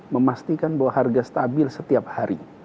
memastikan bahwa harga stabil setiap hari